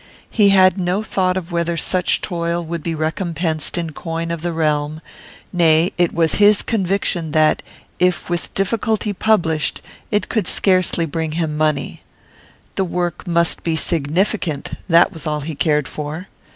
He had no thought of whether such toil would be recompensed in coin of the realm; nay, it was his conviction that, if with difficulty published, it could scarcely bring him money. The work must be significant, that was all he cared for.